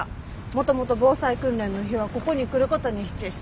もともと防災訓練の日はここに来ることにしちゅうし。